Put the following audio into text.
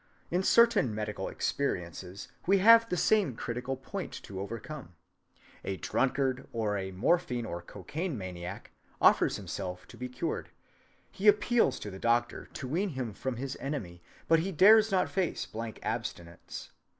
In certain medical experiences we have the same critical point to overcome. A drunkard, or a morphine or cocaine maniac, offers himself to be cured. He appeals to the doctor to wean him from his enemy, but he dares not face blank abstinence.